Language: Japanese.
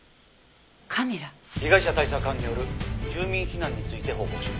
「被害者対策班による住民避難について報告しろ」